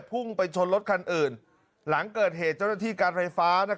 พุ่งไปชนรถคันอื่นหลังเกิดเหตุเจ้าหน้าที่การไฟฟ้า